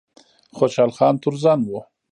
خوشحال خان تورزن و